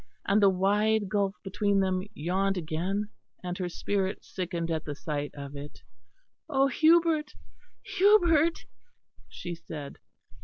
And the wide gulf between them yawned again; and her spirit sickened at the sight of it. "Oh! Hubert, Hubert!" she said.